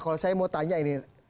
kalau saya mau tanya ini